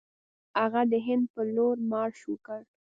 هغه د هند پر لور مارش وکړ.